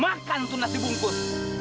makan tuh nasi bungkus